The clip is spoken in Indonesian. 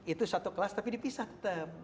itu satu kelas tapi dipisah tetap